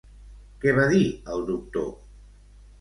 Què va dir el doctor?